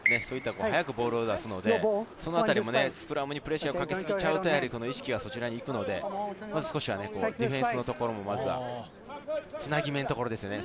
早くボールを出すので、そのあたりもスクラムにプレッシャーをかけちゃうと意識がそちらに行くので、少しはディフェンスのところ、まずはつなぎ目の所ですね。